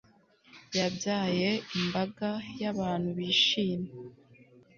Yabyaye imbaga yabantu bishimye